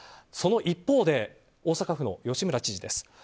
その一方で大阪府の吉村知事です。